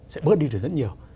sẽ bớt đi được rất nhiều